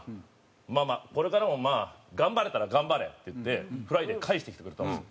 「まあまあこれからも頑張れたら頑張れ」って言って『フライデー』返してきてくれたんですよ。